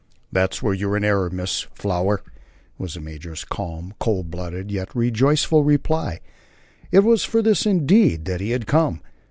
"That's where you are in error, Miss Flower," was the major's calm, cold blooded, yet rejoiceful reply. It was for this, indeed, that he had come.